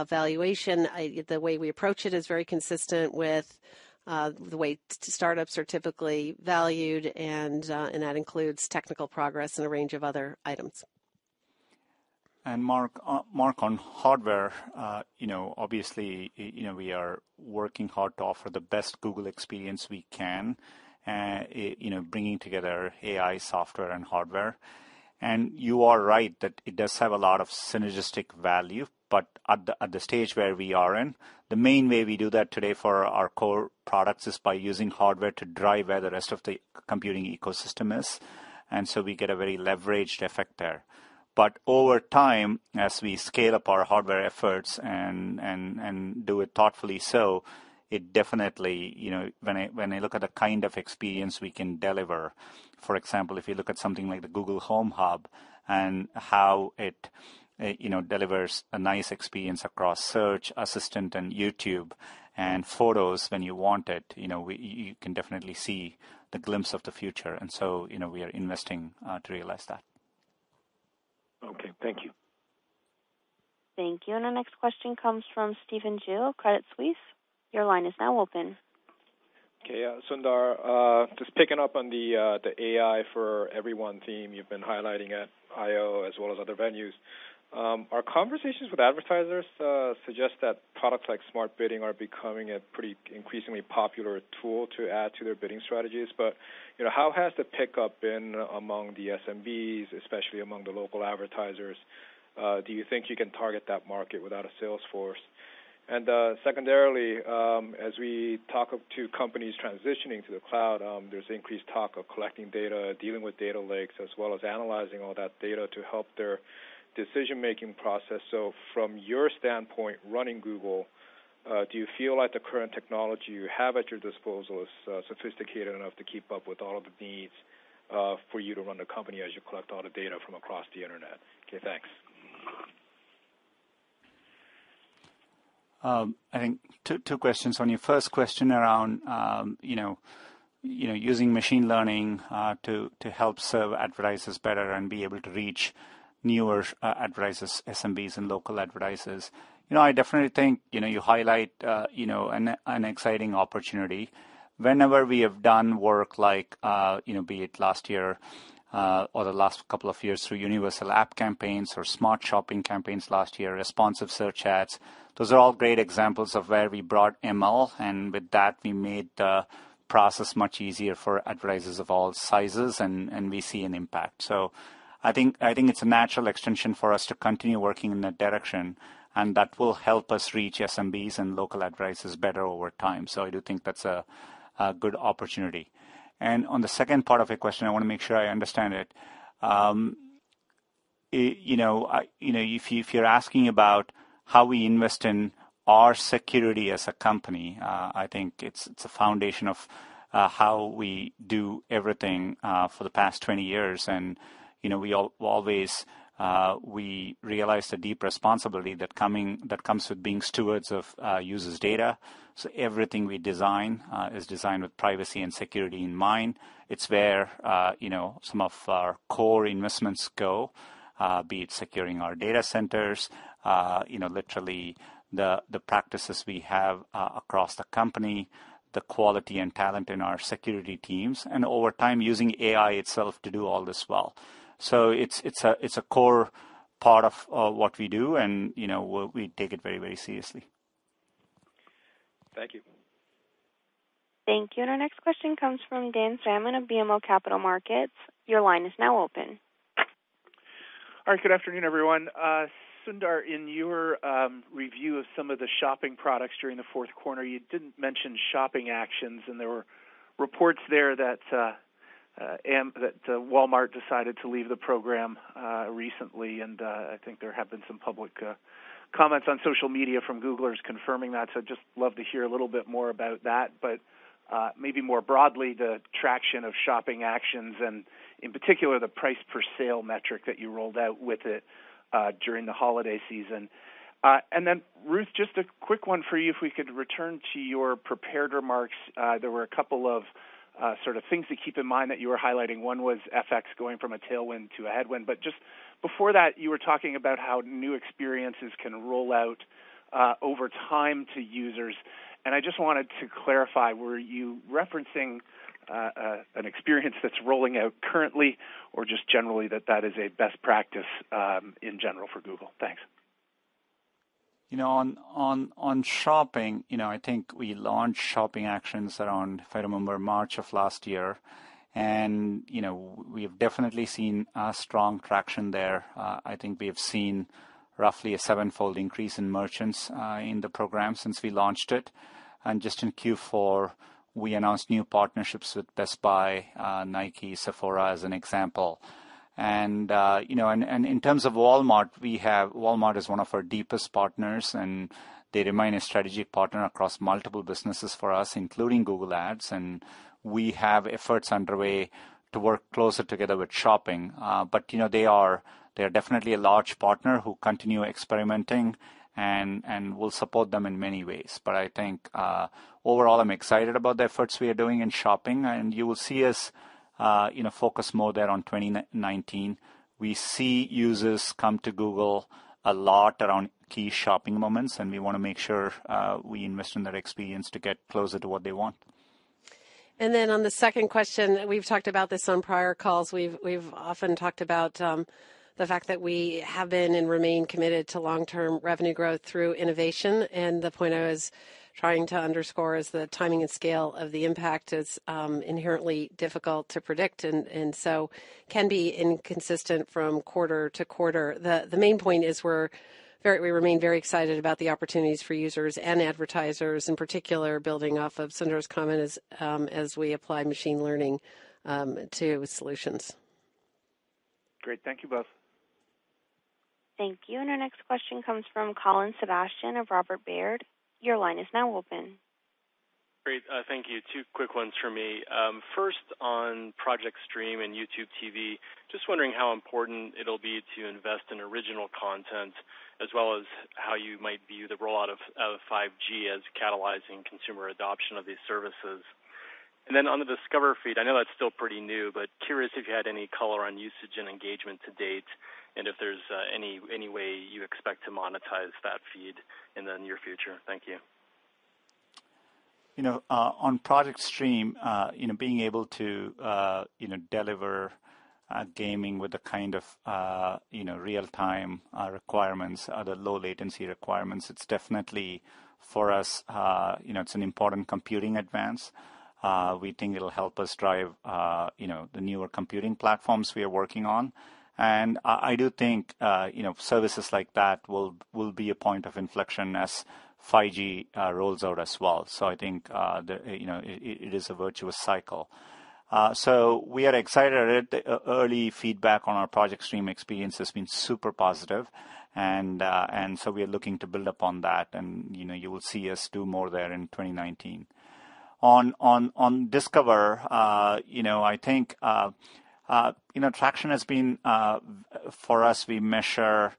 valuation. The way we approach it is very consistent with the way startups are typically valued. And that includes technical progress and a range of other items. Mark, on hardware, obviously, we are working hard to offer the best Google experience we can, bringing together AI, software, and hardware. You are right that it does have a lot of synergistic value. At the stage where we are in, the main way we do that today for our core products is by using hardware to drive where the rest of the computing ecosystem is. We get a very leveraged effect there. Over time, as we scale up our hardware efforts and do it thoughtfully so, it definitely, when I look at the kind of experience we can deliver, for example, if you look at something like the Google Home Hub and how it delivers a nice experience across Search, Assistant, and YouTube and photos when you want it, you can definitely see the glimpse of the future. We are investing to realize that. Thank you. And our next question comes from Stephen Ju, Credit Suisse. Your line is now open. Okay. Sundar, just picking up on the AI for everyone theme, you've been highlighting at I/O as well as other venues. Our conversations with advertisers suggest that products like Smart Bidding are becoming a pretty increasingly popular tool to add to their bidding strategies. But how has the pickup been among the SMBs, especially among the local advertisers? Do you think you can target that market without a Salesforce? And secondarily, as we talk to companies transitioning to the Cloud, there's increased talk of collecting data, dealing with data lakes, as well as analyzing all that data to help their decision-making process. So, from your standpoint, running Google, do you feel like the current technology you have at your disposal is sophisticated enough to keep up with all of the needs for you to run the company as you collect all the data from across the internet? Okay. Thanks. I think two questions on your first question around using machine learning to help serve advertisers better and be able to reach newer advertisers, SMBs, and local advertisers. I definitely think you highlight an exciting opportunity. Whenever we have done work, be it last year or the last couple of years through Universal App campaigns or Smart Shopping campaigns last year, Responsive Search Ads, those are all great examples of where we brought ML and with that, we made the process much easier for advertisers of all sizes, and we see an impact. So, I think it's a natural extension for us to continue working in that direction.and that will help us reach SMBs and local advertisers better over time. So, I do think that's a good opportunity. And on the second part of your question, I want to make sure I understand it. If you're asking about how we invest in our security as a company, I think it's a foundation of how we do everything for the past 20 years, and we always realize the deep responsibility that comes with being stewards of users' data, so everything we design is designed with privacy and security in mind. It's where some of our core investments go, be it securing our data centers, literally the practices we have across the company, the quality and talent in our security teams, and over time, using AI itself to do all this well, so it's a core part of what we do, and we take it very, very seriously. Thank you. Thank you. And our next question comes from Dan Salmon of BMO Capital Markets. Your line is now open. All right. Good afternoon, everyone. Sundar, in your review of some of the shopping products during the fourth quarter, you didn't mention Shopping Actions, and there were reports there that Walmart decided to leave the program recently, and I think there have been some public comments on social media from Googlers confirming that. So, I'd just love to hear a little bit more about that, but maybe more broadly, the traction of Shopping Actions and, in particular, the price-per-sale metric that you rolled out with it during the holiday season, and then, Ruth, just a quick one for you if we could return to your prepared remarks. There were a couple of sort of things to keep in mind that you were highlighting. One was FX going from a tailwind to a headwind. But just before that, you were talking about how new experiences can roll out over time to users. And I just wanted to clarify, were you referencing an experience that's rolling out currently or just generally that that is a best practice in general for Google? Thanks. You know, on shopping, I think we launched Shopping Actions around, if I remember, March of last year, and we have definitely seen strong traction there. I think we have seen roughly a seven-fold increase in merchants in the program since we launched it, and just in Q4, we announced new partnerships with Best Buy, Nike, Sephora as an example and in terms of Walmart, Walmart is one of our deepest partners, and they remain a strategic partner across multiple businesses for us, including Google Ads, and we have efforts underway to work closer together with shopping, but they are definitely a large partner who continue experimenting and will support them in many ways, but I think overall, I'm excited about the efforts we are doing in shopping, and you will see us focus more there on 2019. We see users come to Google a lot around key shopping moments. We want to make sure we invest in their experience to get closer to what they want. And then on the second question, we've talked about this on prior calls. We've often talked about the fact that we have been and remain committed to long-term revenue growth through innovation and the point I was trying to underscore is the timing and scale of the impact is inherently difficult to predic and so it can be inconsistent from quarter to quarter. The main point is we remain very excited about the opportunities for users and advertisers, in particular, building off of Sundar's comment as we apply machine learning to solutions. Great. Thank you both. Thank you. And our next question comes from Colin Sebastian of Robert Baird. Your line is now open. Great. Thank you. Two quick ones for me. First, on Project Stream and YouTube TV, just wondering how important it'll be to invest in original content as well as how you might view the rollout of 5G as catalyzing consumer adoption of these services. And then on the Discover feed, I know that's still pretty new, but curious if you had any color on usage and engagement to date and if there's any way you expect to monetize that feed in the near future. Thank you. On Project Stream, being able to deliver gaming with the kind of real-time requirements, the low-latency requirements, it's definitely for us. It's an important computing advance. We think it'll help us drive the newer computing platforms we are working on, and I do think services like that will be a point of inflection as 5G rolls out as well. I think it is a virtuous cycle, so we are excited. Early feedback on our Project Stream experience has been super positive, and so we are looking to build upon that. You will see us do more there in 2019. On Discover, I think traction has been, for us, we measure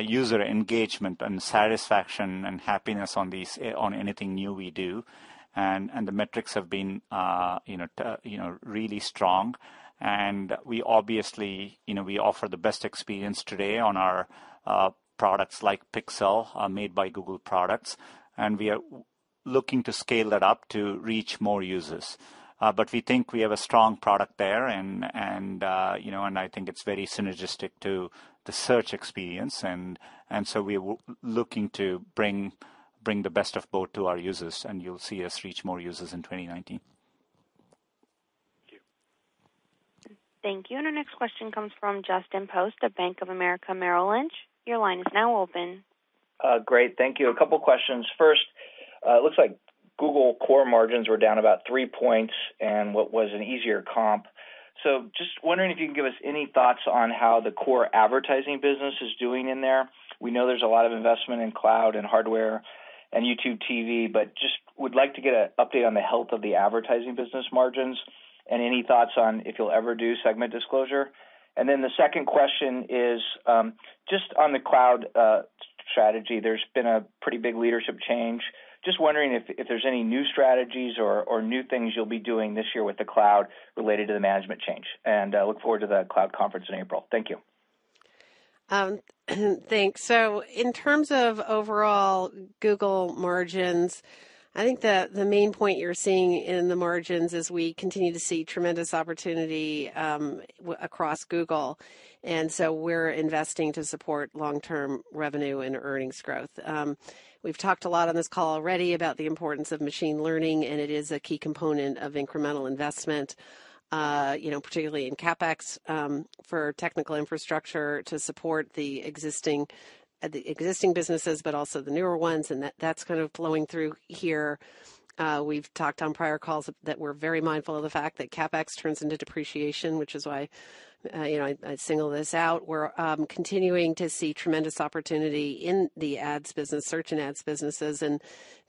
user engagement and satisfaction and happiness on anything new we do. The metrics have been really strong, and we obviously offer the best experience today on our products like Pixel, made by Google products. And we are looking to scale that up to reach more users. But we think we have a strong product there. And I think it's very synergistic to the search experience. And so, we are looking to bring the best of both to our users. And you'll see us reach more users in 2019. Thank you. And our next question comes from Justin Post at Bank of America Merrill Lynch. Your line is now open. Great. Thank you. A couple of questions. First, it looks like Google core margins were down about three points and what was an easier comp. So, just wondering if you can give us any thoughts on how the core advertising business is doing in there. We know there's a lot of investment in Cloud and hardware and YouTube TV, but just would like to get an update on the health of the advertising business margins and any thoughts on if you'll ever do segment disclosure. And then the second question is just on the Cloud strategy. There's been a pretty big leadership change. Just wondering if there's any new strategies or new things you'll be doing this year with the Cloud related to the management change. And I look forward to the Cloud conference in April. Thank you. Thanks. So, in terms of overall Google margins, I think the main point you're seeing in the margins is we continue to see tremendous opportunity across Google and so, we're investing to support long-term revenue and earnings growth. We've talked a lot on this call already about the importance of machine learning and it is a key component of incremental investment, particularly in CapEx for technical infrastructure to support the existing businesses, but also the newer ones. And that's kind of flowing through here. We've talked on prior calls that we're very mindful of the fact that CapEx turns into depreciation, which is why I single this out. We're continuing to see tremendous opportunity in the ads business, search and ads businesses. And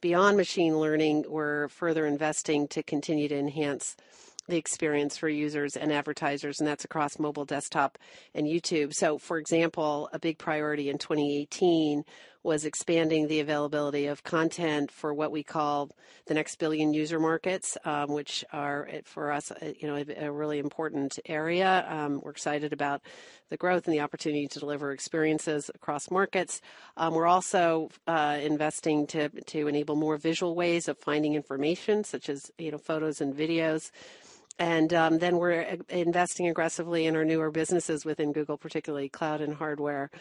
beyond machine learning, we're further investing to continue to enhance the experience for users and advertisers. And that's across mobile, desktop, and YouTube. So, for example, a big priority in 2018 was expanding the availability of content for what we call the next billion user markets, which are for us a really important area. We're excited about the growth and the opportunity to deliver experiences across markets. We're also investing to enable more visual ways of finding information, such as photos and videos. And then we're investing aggressively in our newer businesses within Google, particularly Cloud and hardware,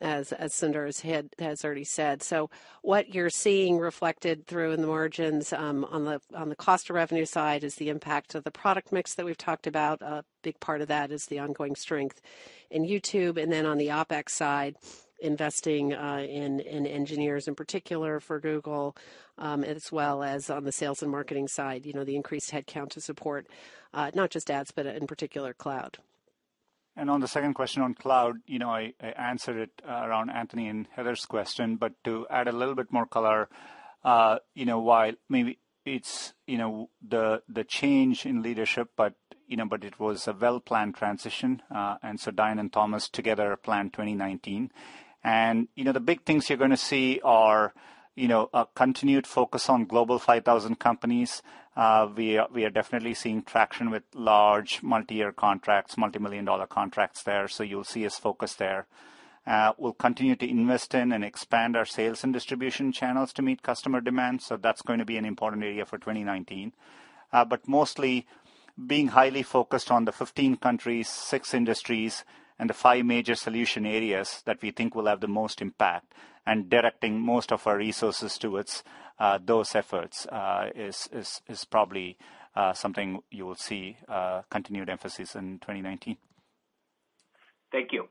as Sundar has already said. So, what you're seeing reflected through in the margins on the cost of revenue side is the impact of the product mix that we've talked about. A big part of that is the ongoing strength in YouTube. On the OpEx side, investing in engineers in particular for Google, as well as on the sales and marketing side, the increased headcount to support not just ads, but in particular Cloud. And on the second question on Cloud, I answered it around Anthony and Heather's question. But to add a little bit more color, while maybe it's the change in leadership, but it was a well-planned transition. And so, Diane and Thomas together planned 2019. And the big things you're going to see are a continued focus on global 5,000 companies. We are definitely seeing traction with large multi-year contracts, multi-million dollar contracts there. So, you'll see us focus there. We'll continue to invest in and expand our sales and distribution channels to meet customer demands. So, that's going to be an important area for 2019. But mostly being highly focused on the 15 countries, six industries, and the five major solution areas that we think will have the most impact and directing most of our resources towards those efforts is probably something you will see continued emphasis in 2019. Thank you.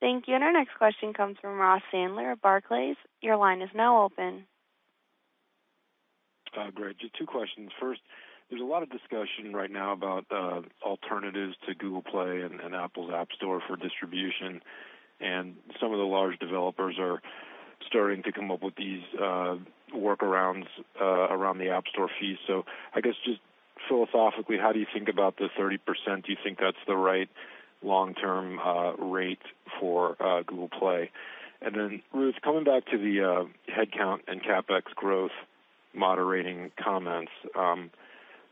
Thank you. And our next question comes from Ross Sandler of Barclays. Your line is now open. Great. Just two questions. First, there's a lot of discussion right now about alternatives to Google Play and Apple's App Store for distribution. And some of the large developers are starting to come up with these workarounds around the App Store fee. So, I guess just philosophically, how do you think about the 30%? Do you think that's the right long-term rate for Google Play? And then, Ruth, coming back to the headcount and CapEx growth moderating comments.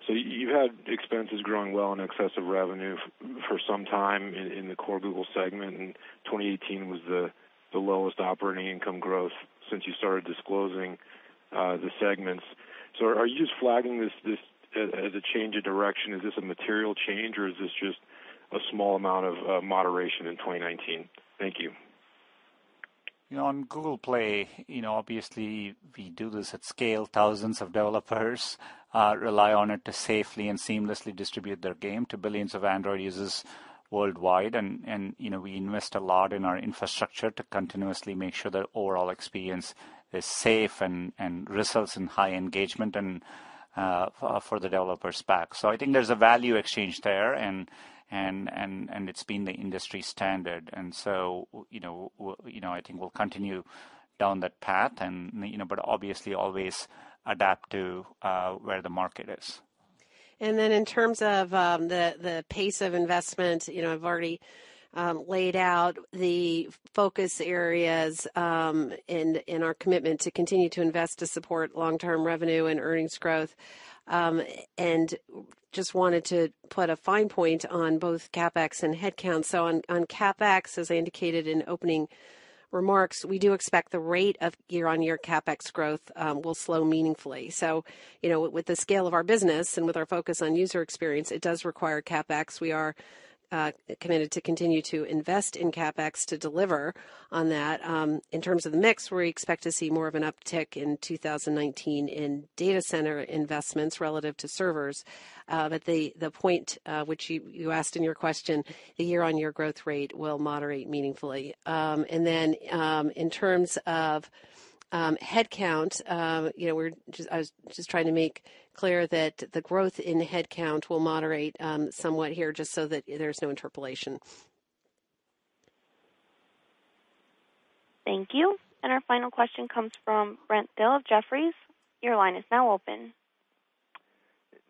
So, you've had expenses growing well in excess of revenue for some time in the core Google segment. And 2018 was the lowest operating income growth since you started disclosing the segments. So, are you just flagging this as a change in direction? Is this a material change? Or is this just a small amount of moderation in 2019? Thank you. On Google Play, obviously, we do this at scale. Thousands of developers rely on it to safely and seamlessly distribute their game to billions of Android users worldwide. And we invest a lot in our infrastructure to continuously make sure that overall experience is safe and results in high engagement for the developers' backend. So, I think there's a value exchange there. And it's been the industry standard and so, I think we'll continue down that path. But obviously, always adapt to where the market is. And then in terms of the pace of investment, I've already laid out the focus areas and our commitment to continue to invest to support long-term revenue and earnings growth. And just wanted to put a fine point on both CapEx and headcount. So, on CapEx, as I indicated in opening remarks, we do expect the rate of year-on-year CapEx growth will slow meaningfully. So, with the scale of our business and with our focus on user experience, it does require CapEx. We are committed to continue to invest in CapEx to deliver on that. In terms of the mix, we expect to see more of an uptick in 2019 in data center investments relative to servers. But the point which you asked in your question, the year-on-year growth rate will moderate meaningfully.In terms of headcount, I was just trying to make clear that the growth in headcount will moderate somewhat here just so that there's no interpolation. Thank you. And our final question comes from Brent Thill of Jefferies. Your line is now open.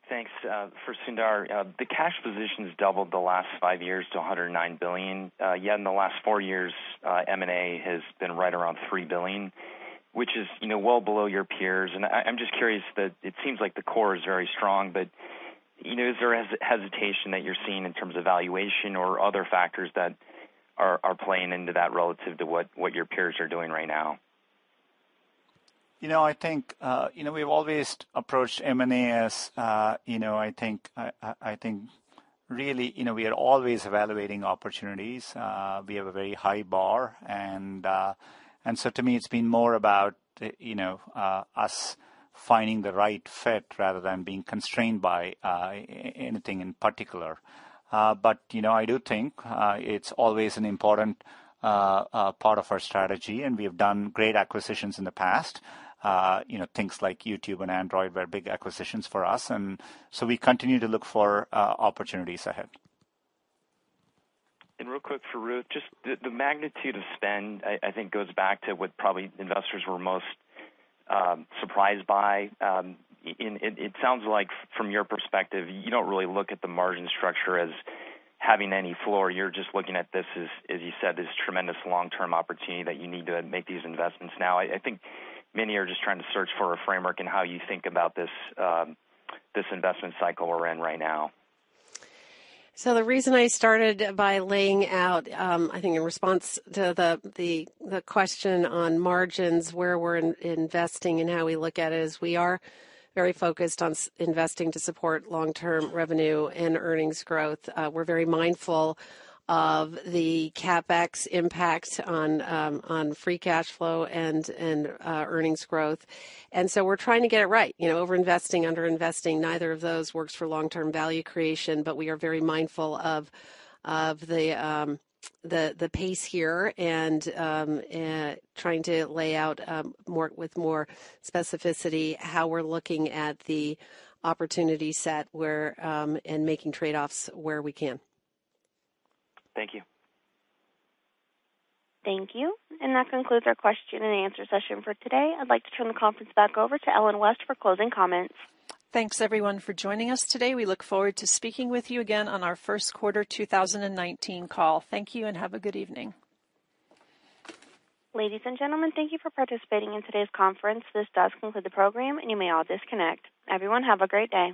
Thanks. For Sundar, the cash position has doubled the last five years to $109 billion. Yet, in the last four years, M&A has been right around $3 billion, which is well below your peers, and I'm just curious that it seems like the core is very strong, but is there hesitation that you're seeing in terms of valuation or other factors that are playing into that relative to what your peers are doing right now? You know, I think we've always approached M&A as, I think, really, we are always evaluating opportunities. We have a very high bar. And so, to me, it's been more about us finding the right fit rather than being constrained by anything in particular. But I do think it's always an important part of our strategy. And we have done great acquisitions in the past. Things like YouTube and Android were big acquisitions for us. And so, we continue to look for opportunities ahead. Real quick for Ruth, just the magnitude of spend, I think, goes back to what probably investors were most surprised by. It sounds like from your perspective, you don't really look at the margin structure as having any floor. You're just looking at this, as you said, this tremendous long-term opportunity that you need to make these investments now. I think many are just trying to search for a framework in how you think about this investment cycle we're in right now. The reason I started by laying out, I think in response to the question on margins, where we're investing and how we look at it is we are very focused on investing to support long-term revenue and earnings growth. We're very mindful of the CapEx impact on free cash flow and earnings growth, and so we're trying to get it right. Overinvesting, underinvesting, neither of those works for long-term value creation, but we are very mindful of the pace here and trying to lay out with more specificity how we're looking at the opportunity set and making trade-offs where we can. Thank you. Thank you. And that concludes our question and answer session for today. I'd like to turn the conference back over to Ellen West for closing comments. Thanks, everyone, for joining us today. We look forward to speaking with you again on our first quarter 2019 call. Thank you and have a good evening. Ladies and gentlemen, thank you for participating in today's conference. This does conclude the program, and you may all disconnect. Everyone, have a great day.